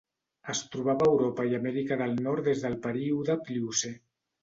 Es trobava a Europa i Amèrica del Nord des del període Pliocè.